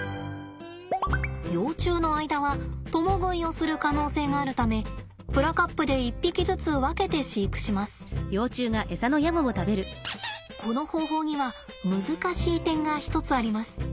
幼虫の間は共食いをする可能性があるためプラカップでこの方法には難しい点が一つあります。